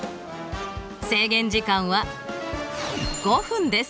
制限時間は５分です。